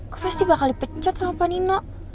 gue pasti bakal dipecat sama pak nino